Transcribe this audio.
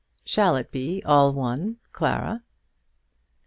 Shall it be all one, Clara?"